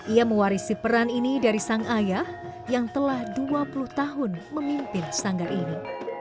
ia mewarisi peran ini dari sang ayah yang telah dua puluh tahun memimpin sanggar ini